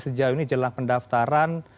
sejauh ini jelang pendaftaran